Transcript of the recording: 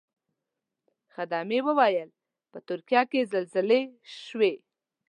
خدمې ویل په ترکیه کې زلزلې شوې.